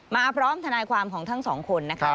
มาพร้อมทนายความของทั้งสองคนนะคะ